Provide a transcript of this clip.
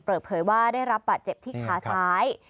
เปิดเผยว่าได้รับบาดเจ็บที่ขาซ้าย